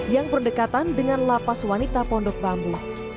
yang berdekatan dengan lapas wanita pondok bambu